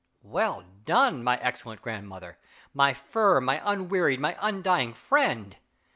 '" Well done, my excellent grandmother! my firm, my unwearied, my undying friend!